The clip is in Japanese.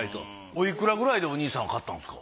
おいくらくらいでお兄さん買ったんですか？